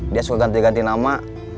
dia sudah ganti ganti nama